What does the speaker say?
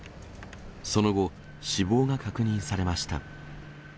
その後、死亡が確認されました。